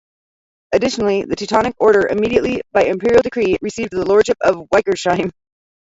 Additionally, the Teutonic Order immediately, by imperial decree, received the lordship of Weikersheim.